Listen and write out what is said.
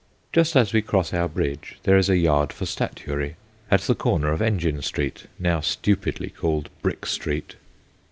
Just as we cross our bridge there is a yard for statuary, at the corner of Engine Street, now stupidly called Brick Street.